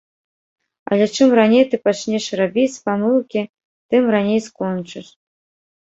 Але чым раней ты пачнеш рабіць памылкі, тым раней скончыш.